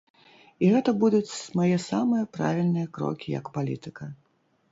І гэта будуць мае самыя правільныя крокі як палітыка.